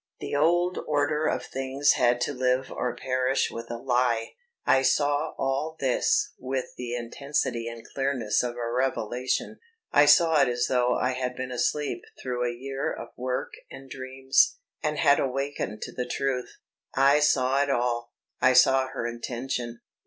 The old order of things had to live or perish with a lie. I saw all this with the intensity and clearness of a revelation; I saw it as though I had been asleep through a year of work and dreams, and had awakened to the truth. I saw it all; I saw her intention.